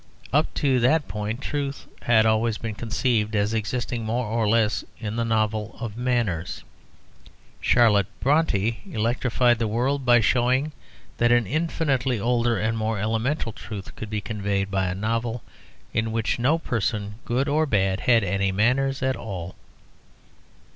Up to that point truth had always been conceived as existing more or less in the novel of manners. Charlotte Brontë electrified the world by showing that an infinitely older and more elemental truth could be conveyed by a novel in which no person, good or bad, had any manners at all.